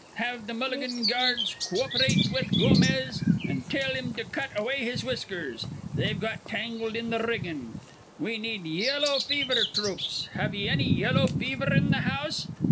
Have th' Mulligan Gyards co op'rate with Gomez, an' tell him to cut away his whiskers. They've got tangled in th' riggin'. We need yellow fever throops. Have ye anny yellow fever in th' house?